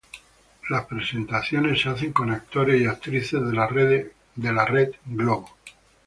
Las presentaciones se hacen con actores y actrices de la Rede Globo.